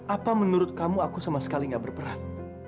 apa menurut kamu aku sama sekali gak berperan